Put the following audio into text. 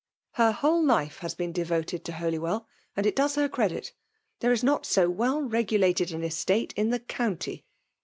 H^r whole life has been devoted to Holywell, and it does her credit : there is not so wellrregulated an estate in the county.